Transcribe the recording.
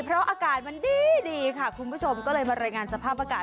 เพราะอากาศมันดีค่ะคุณผู้ชมก็เลยมารายงานสภาพอากาศ